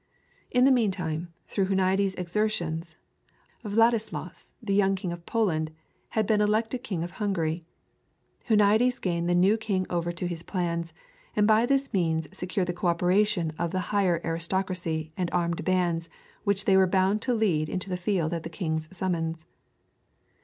In the meantime through Huniades' exertions, Vladislaus, the young King of Poland, had been elected King of Hungary. Huniades gained the new king over to his plans, and by this means secured the co operation of the higher aristocracy and the armed bands which they were bound to lead into the field at the king's summons.